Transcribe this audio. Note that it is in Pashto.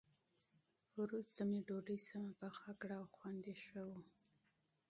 وروسته مې ډوډۍ سمه پخه کړه او خوند یې ښه و.